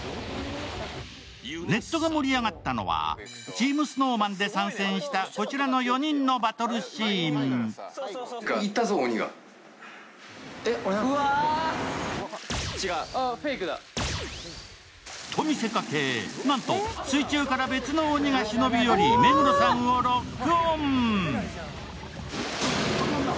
ネットがもリアがつたのは、チームＳｎｏｗＭａｎで参戦した、こちらの４人のバトルシーン。と見せかけ、なんと水中から別の鬼がしのび寄り目黒さんをロックオン。